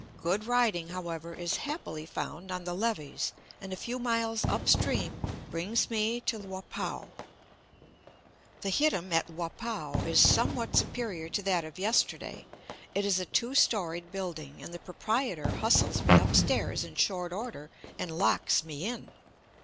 Good riding, however, is happily found on the levees, and a few miles up stream brings me to Lo pow. The hittim at Lo pow is somewhat superior to that of yesterday; it is a two storied building, and the proprietor hustles me up stairs in short order, and locks me in.